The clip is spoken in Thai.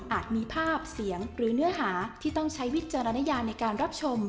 มีภาพเสียงหรือเนื้อหาที่ต้องใช้วิจารณญาในการรับชม